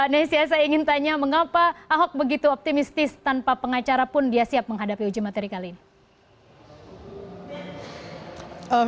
nesya saya ingin tanya mengapa ahok begitu optimistis tanpa pengacara pun dia siap menghadapi uji materi kali ini